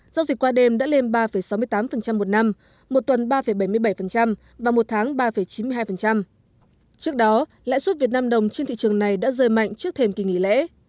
giao dịch qua đêm đã lên ba sáu mươi tám một năm một tuần ba bảy mươi bảy và một tháng ba chín mươi hai trước đó lãi suất việt nam đồng trên thị trường này đã rơi mạnh trước thềm kỳ nghỉ lễ